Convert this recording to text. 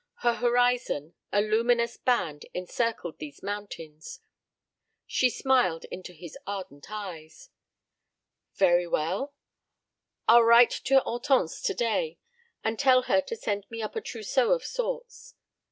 Her horizon, a luminous band, encircled these mountains. ... She smiled into his ardent eyes. "Very well. I'll write to Hortense today and tell her to send me up a trousseau of sorts.